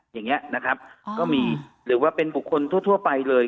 อย่างนี้นะครับก็มีหรือว่าเป็นบุคคลทั่วไปเลย